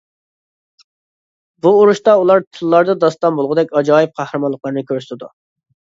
بۇ ئۇرۇشتا ئۇلار تىللاردا داستان بولغۇدەك ئاجايىپ قەھرىمانلىقلارنى كۆرسىتىدۇ.